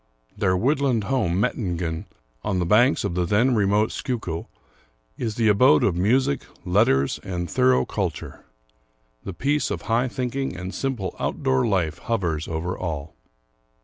Their woodland home, Mettingen, on the banks of the then re mote Schuylkill, is the abode of music, letters and thorough cul ture. The peace of high thinking and simple outdoor life hovers over all.